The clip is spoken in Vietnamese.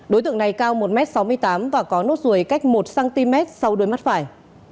đối tượng này cao một m sáu mươi tám và có nốt ruồi cách một cm sau đuôi mắt phải